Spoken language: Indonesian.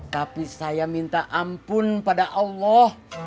tapi saya minta ampun pada allah